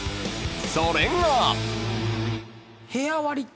［それが］